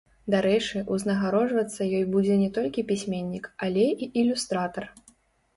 Дарэчы, узнагароджвацца ёй будзе не толькі пісьменнік, але і ілюстратар.